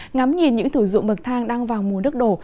ngắm nhìn những thử dụng bậc thang đang vào mùa nước đổ